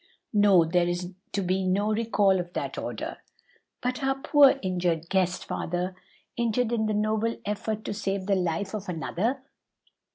"No; there is to be no recall of that order." "But our poor injured guest, father? injured in the noble effort to save the life of another!"